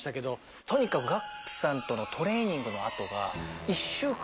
とにかくＧＡＣＫＴさんとのトレーニングの後が。